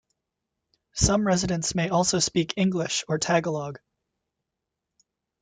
Some residents may also speak English or Tagalog.